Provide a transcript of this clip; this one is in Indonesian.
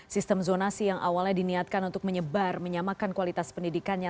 sistem zonasi yang awalnya diniatkan untuk menyebar menyamakan kualitas pendidikannya